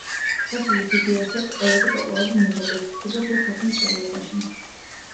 ბასილი დიდი ერთ-ერთ ყველაზე პოპულარულ მოღვაწედ ითვლება ძველ ქართულ მწერლობაში.